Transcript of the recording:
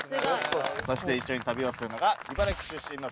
そして一緒に旅をするのが茨城出身の。